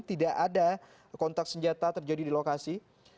tidak ada kontak senjata terjadi di lokasi